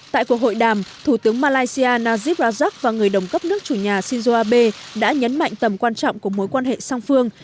tại cuộc hội đàm thủ tướng malaysia najib rajak và người đồng cấp nước chủ nhà shinzo abe đã nhấn mạnh tầm quan trọng của mối quan hệ song phương